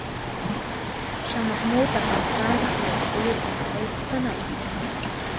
شاه محمود د افغانستان د خپلواکۍ یو پیاوړی ستنه وه.